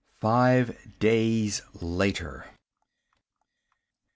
Five Days Later.